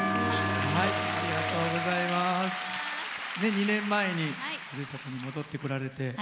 ２年前にふるさとに戻ってこられて。